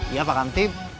iya pak kamtib